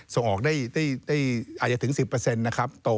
ส่งออกได้อาจจะถึง๑๐นะครับ